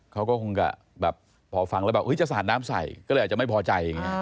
เขาก็คงจะแบบพอฟังแล้วแบบจะสาดน้ำใส่ก็เลยอาจจะไม่พอใจอย่างนี้